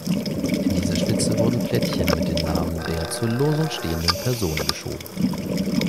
In diese Schlitze wurden Plättchen mit den Namen der zur Losung stehenden Personen geschoben.